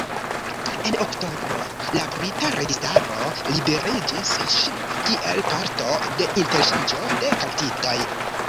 En oktobro la brita registaro liberigis ŝin kiel parto de interŝanĝo de kaptitoj.